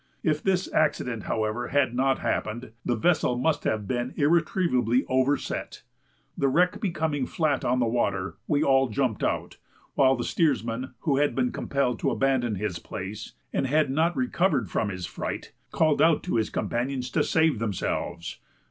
If this accident, however, had not happened, the vessel must have been irretrievably overset. The wreck becoming flat on the water, we all jumped out, while the steersman, who had been compelled to abandon his place, and had not recovered from his fright, called out to his companions to save themselves.